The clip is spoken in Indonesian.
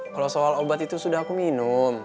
kalau soal obat itu sudah aku minum